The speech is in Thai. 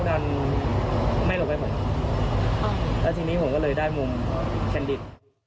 แล้วทีนี้ผมก็เลยได้มุมแคลดิต